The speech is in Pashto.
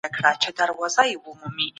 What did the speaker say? مظلومان به حق اخلي.